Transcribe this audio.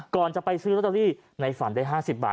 ก่อนจะไปซื้อลอตเตอรี่ในฝันได้๕๐บาท